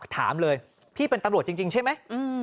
ถามเลยพี่เป็นตำรวจจริงใช่ไหม